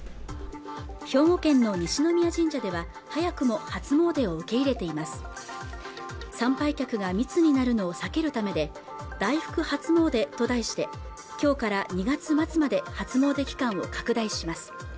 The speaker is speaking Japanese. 兵庫県の西宮神社では早くも初詣でを受け入れています参拝客が密になるのを避けるためで大福初詣と題して今日から２月末まで初詣期間を拡大します